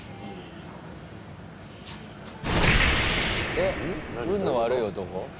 えっ運の悪い男？